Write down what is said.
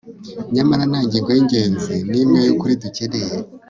nyamara nta ngingo yingenzi nimwe yukuri dukeneye